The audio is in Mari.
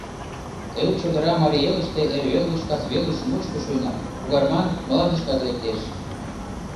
Ты чодыра Марий Элыште эрвел гыч касвелыш мучко шуйна, Угарман мландышкат лектеш.